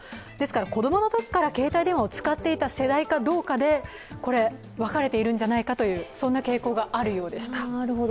子供の時から携帯電話を使っていた世代かどうかで分かれているんじゃないかという傾向があるようでした。